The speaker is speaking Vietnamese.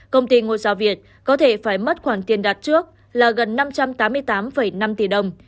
công ty ngôi sao việt có thể phải mất khoảng tiền đặt trước là gần năm trăm tám mươi tám năm tỷ đồng